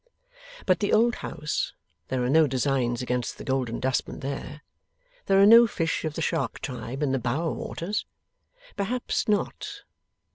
But the old house. There are no designs against the Golden Dustman there? There are no fish of the shark tribe in the Bower waters? Perhaps not.